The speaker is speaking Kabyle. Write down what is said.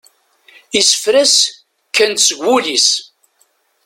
Isefra-s kkan-d seg wul-is.